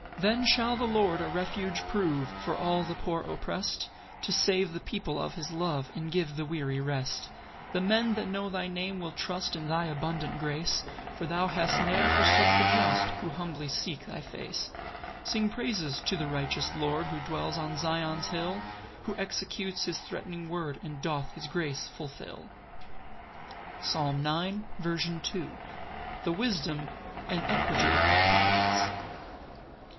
3 Then shall the Lord a refuge prove For all the poor opprest, To save the people of his love, And give the weary rest. 4 The men, that know thy name will trust In thy abundant grace; For thou hast ne'er forsook the just, Who humbly seek thy face. 5 Sing praises to the righteous Lord, Who dwells on Zion's hill, Who executes his threatening word, And doth his grace fulfil. Psalm 9:2. 10. Second Part. The wisdom and equity of providence.